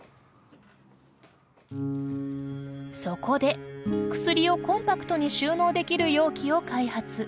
そこで、薬をコンパクトに収納できる容器を開発。